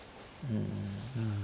うん。